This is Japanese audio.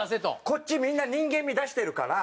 こっちみんな人間味出してるから。